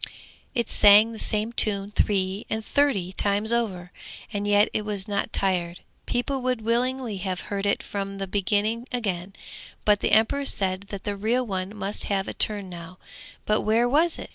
_ It sang the same tune three and thirty times over, and yet it was not tired; people would willingly have heard it from the beginning again, but the emperor said that the real one must have a turn now but where was it?